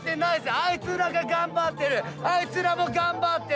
あいつらが頑張ってるあいつらも頑張ってる！